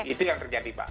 itu yang terjadi mbak